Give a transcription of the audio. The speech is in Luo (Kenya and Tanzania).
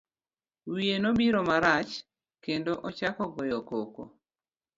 Wiye nobiro marach, kendo ochako goyo koko.